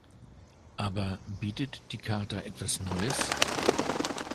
Aber bietet die Charta etwas Neues?